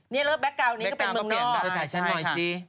นี่ใบล้างแบกกราวนี้ก็เป็นเมืองนอก